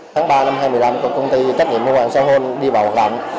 tháng ba năm hai nghìn một mươi năm công ty trách nhiệm công an sang hun đi vào hoạt động